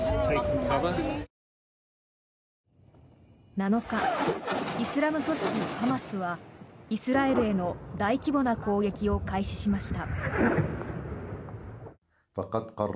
７日、イスラム組織ハマスはイスラエルへの大規模な攻撃を開始しました。